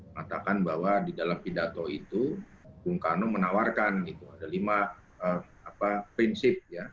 mengatakan bahwa di dalam pidato itu bung karno menawarkan gitu ada lima prinsip ya